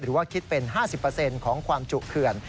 ว่าคิดเป็น๕๐ของความจุเขื่อน